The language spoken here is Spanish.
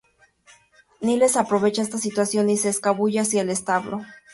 Niles aprovecha esta situación y se escabulle hacia el establo.